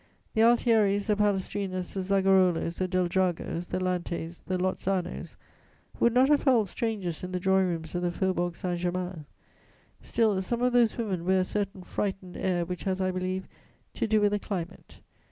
The Altieris, the Palestrinas, the Zagarolos, the Del Dragos, the Lantes, the Lozzanos would not have felt strangers in the drawing rooms of the Faubourg Saint Germain: still, some of those women wear a certain frightened air which has, I believe, to do with the climate.